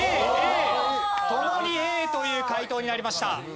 共にＡという解答になりました。